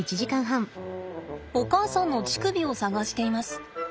お母さんの乳首を探しています。